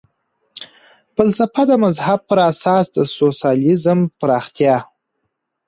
فلسفه د مذهب پر اساس د سوسیالیزم پراختیا.